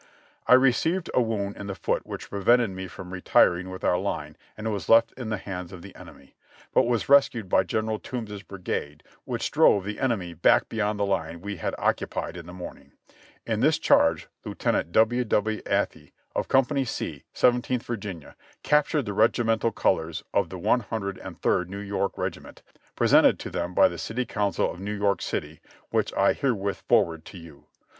"I received a wound in the foot which prevented me from retiring with our line and was left in the hands of the enemy, but was rescued by General Toombs's brigade, which drove the enemy back beyond the line we had occupied in the morning. In this charge Lieutenant W. W. Athey, of Co. C, 17th Virginia, cap tured the regimental colors of the One Hundred and Third New York Regiment, presented to them by the City Council of New York City, which I herewith forward to you.